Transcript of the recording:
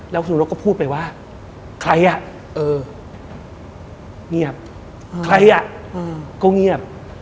แล้วคุณนกก็พูดไปว่าใครอ่ะเออเงียบใครอ่ะก็เงียบ